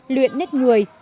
luyện nét người